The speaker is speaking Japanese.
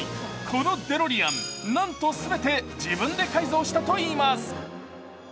このデロリアン、なんと全て自分で改造したといいます。